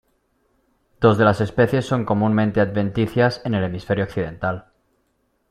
Dos de las especies son comúnmente adventicias en el hemisferio occidental.